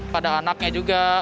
pada anaknya juga